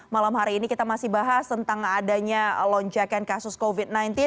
malam hari ini kita masih bahas tentang adanya lonjakan kasus covid sembilan belas